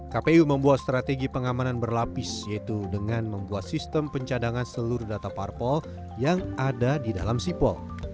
kpu membuat strategi pengamanan berlapis yaitu dengan membuat sistem pencadangan seluruh data parpol yang ada di dalam sipol